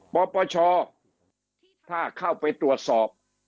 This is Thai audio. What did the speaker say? ปปชถ้าเข้าไปตรวจสอบ